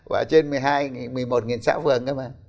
và trên một mươi một xã vườn cơ mà